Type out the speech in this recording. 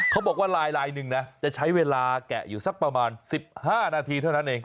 เขาบอกว่าลายลายหนึ่งนะจะใช้เวลาแกะอยู่สักประมาณ๑๕นาทีเท่านั้นเอง